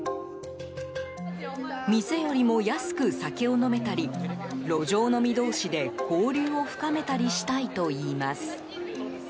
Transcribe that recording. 店よりも安く酒を飲めたり路上飲み同士で、交流を深めたりしたいといいます。